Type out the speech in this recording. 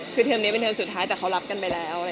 คือเทอมนี้เป็นเทอมสุดท้ายแต่เขารับกันไปแล้ว